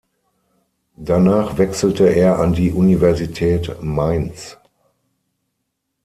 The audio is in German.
Danach wechselte er an die Universität Mainz.